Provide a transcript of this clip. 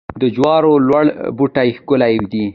د جوارو لوړ بوټي ښکلي دي.